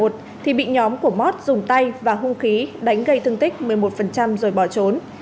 thì bị nhóm của mót dùng tay và hung khí đánh gây thương tích một mươi một rồi bỏ trốn